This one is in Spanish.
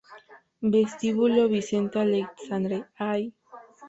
Vestíbulo Vicente Aleixandre